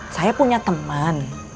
saya punya temen